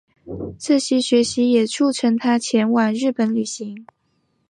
这些学习也促成他前往日本旅行。